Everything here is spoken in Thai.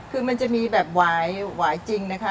คือมันจะมีแบบหวายจริงนะคะ